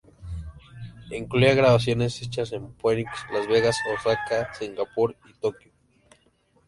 Incluía grabaciones hechas en Phoenix, Las Vegas, Osaka, Singapur y Tokio.